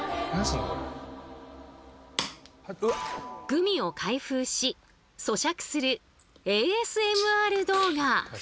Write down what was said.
グミを開封しそしゃくするＡＳＭＲ動画。